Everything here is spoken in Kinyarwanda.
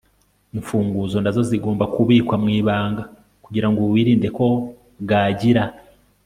imfunguzo nazo zigomba kubikwa mu ibanga kugira ngo wirinde ko gagira